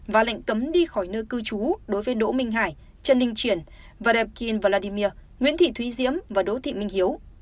và lệnh cấm đi khỏi nơi cư trú đối với đỗ minh hải trần ninh triển và depin vladimir nguyễn thị thúy diễm và đỗ thị minh hiếu